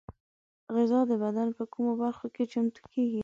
غذا د بدن په کومو برخو کې چمتو کېږي؟